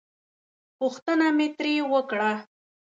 پوښتنه مې ترې وکړه.